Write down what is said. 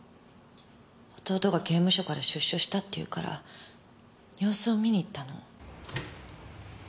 弟が刑務所から出所したって言うから様子を見に行ったの。